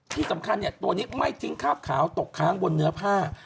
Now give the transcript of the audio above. ที่สำคัญตัวนี้ไม่ทิ้งคาบขาวตกค้างบนเนื้อผ้า